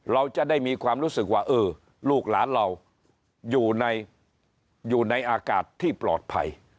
เราจะได้มีความรู้สึกว่าเออลูกหลานเราอยู่ในอากาศที่ปลอดภัย